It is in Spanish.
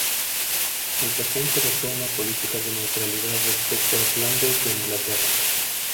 El regente adoptó una política de neutralidad respecto de Flandes y de Inglaterra.